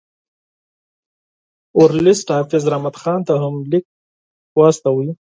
ورلسټ حافظ رحمت خان ته هم لیک واستاوه.